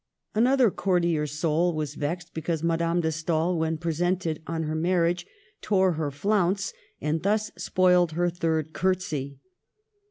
Another courtier's soul was vexed because Madame de Stael, when presented on her marriage, tore her flounce, and thus spoilt her third curtsey.